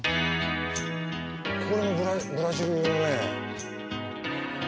このブラジルのね。